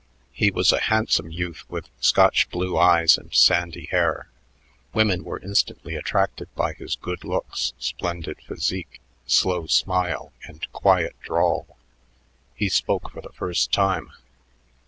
He was a handsome youth with Scotch blue eyes and sandy hair. Women were instantly attracted by his good looks, splendid physique, slow smile, and quiet drawl. He spoke for the first time.